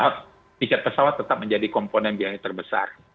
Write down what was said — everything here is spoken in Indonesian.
tiket pesawat tetap menjadi komponen biaya terbesar